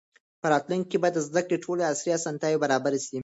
په راتلونکي کې به د زده کړې ټولې عصري اسانتیاوې برابرې سي.